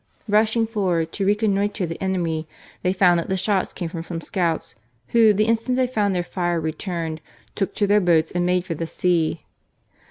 Rushing forward to reconnoitre the enemy, they found that the shots came from some scouts, who, the instant they found their fire returned, took to their boats and made for the sea.